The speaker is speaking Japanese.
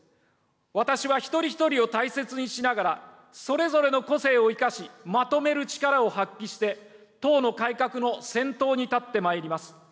私は一人一人を大切にしながら、それぞれの個性を生かし、まとめる力を発揮して、党の改革の先頭に立ってまいります。